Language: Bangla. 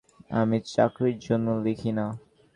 আমি চাকরির জন্য লিখি না।